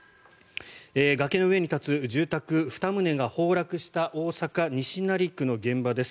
崖の上に立つ住宅２棟が崩落した大阪・西成区の現場です。